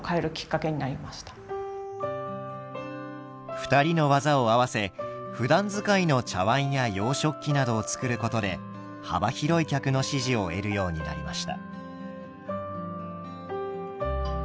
２人の技を合わせふだん使いの茶わんや洋食器などを作ることで幅広い客の支持を得るようになりました。